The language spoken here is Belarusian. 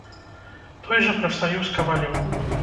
Той жа прафсаюз кавалёў.